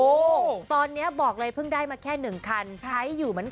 โอ้โหตอนนี้บอกเลยเพิ่งได้มาแค่๑คันใช้อยู่เหมือนกัน